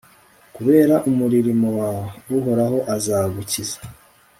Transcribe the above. kubera umuririmo wawe, uhoraho azagukiza